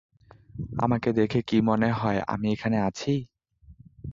আমাকে দেখে কি মনে হয় আমি এখানে আছি?